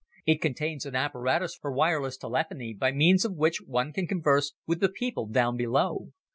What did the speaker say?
It contains an apparatus for wireless telephony by means of which one can converse with the people down below.